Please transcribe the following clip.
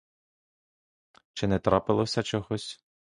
Чи не трапилося чогось?